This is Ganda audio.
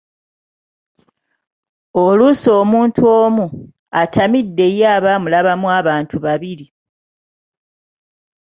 Oluusi omuntu omu , atamidde, y'aba amulabamu abantu babiri.